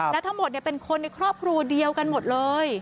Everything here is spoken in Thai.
และทั้งหมดเป็นคนในครอบครัวเดียวกันหมดเลย